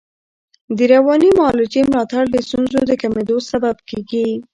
د رواني معالجې ملاتړ د ستونزو د کمېدو سبب کېږي.